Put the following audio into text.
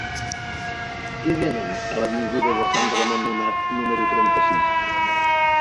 Què venen a l'avinguda de Sant Ramon Nonat número trenta-sis?